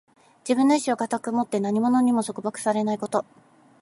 自分の意志を固く守って、何者にも束縛されないこと。